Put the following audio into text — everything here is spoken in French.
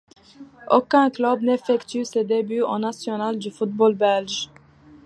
Aucun clubs n'effectue ses débuts au national du football belge.